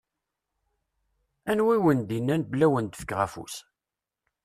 Anwa i wen-d-innan belli ad wen-d-fkeɣ afus?